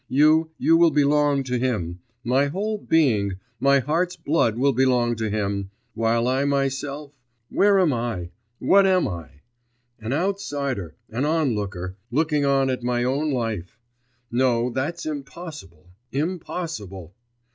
You you will belong to him, my whole being, my heart's blood will belong to him while I myself ... where am I? what am I? An outsider an onlooker ... looking on at my own life! No, that's impossible, impossible!